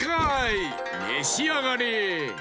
めしあがれ！